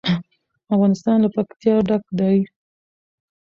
افغانستان له پکتیا ډک دی.